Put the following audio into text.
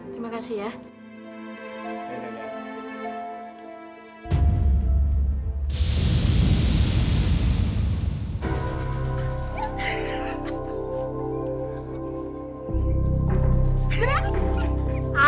terima kasih ya